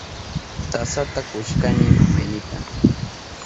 Tasata kushkani mamaynita.